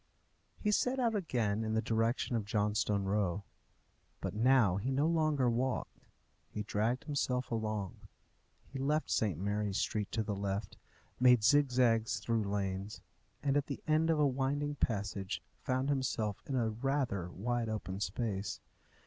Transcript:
He set out again in the direction of Johnstone Row. But now he no longer walked; he dragged himself along. He left St. Mary's Street to the left, made zigzags through lanes, and at the end of a winding passage found himself in a rather wide open space.